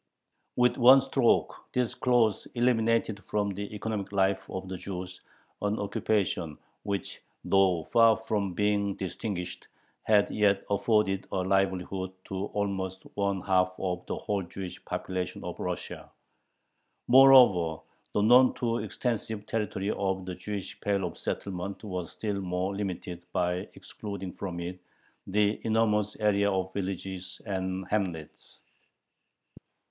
With one stroke this clause eliminated from the economic life of the Jews an occupation which, though far from being distinguished, had yet afforded a livelihood to almost one half of the whole Jewish population of Russia. Moreover, the none too extensive territory of the Jewish Pale of Settlement was still more limited by excluding from it the enormous area of villages and hamlets.